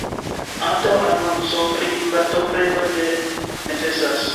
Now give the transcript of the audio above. Antaŭa anonco pri partopreno ne necesas.